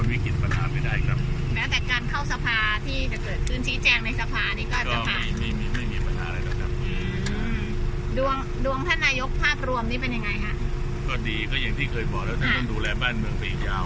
ดวงดวงท่านนายกภาพรวมนี่เป็นยังไงฮะก็ดีก็อย่างที่เคยบอกแล้วว่าท่านต้องดูแลบ้านเมืองไปหนึ่งยาว